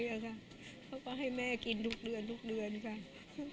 เขาก็ให้แม่กินทุกเดือนจังครับ